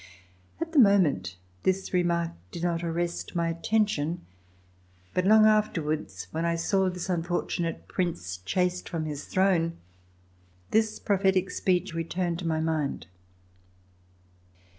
At the moment, this remark did not arrest my attention, but long afterwards, when I saw this unfortunate Prince chased from his throne, this prophetic speech returned to my mind.